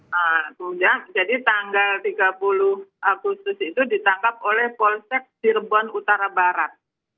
nah kemudian jadi tanggal tiga puluh agustus itu ditangkap oleh polsek cirebon utara barat